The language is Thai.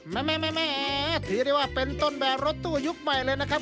แม่ถือได้ว่าเป็นต้นแบบรถตู้ยุคใหม่เลยนะครับ